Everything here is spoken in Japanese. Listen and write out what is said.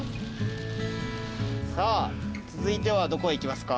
さあ続いてはどこへ行きますか？